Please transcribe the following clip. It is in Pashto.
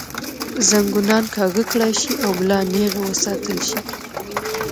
زنګونان کاږۀ کړے شي او ملا نېغه وساتلے شي